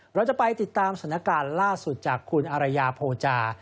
เราจะไปติดตามสถานการณ์ล่าสุดจากคุณอารยาโพจา